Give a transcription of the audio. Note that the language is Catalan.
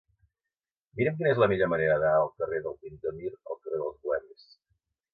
Mira'm quina és la millor manera d'anar del carrer del Pintor Mir al carrer dels Bohemis.